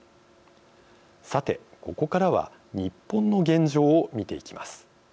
さて、ここからは日本の現状を見ていきます。